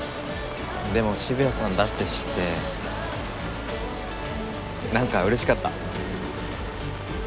でも渋谷さんだって知ってなんか嬉しかった。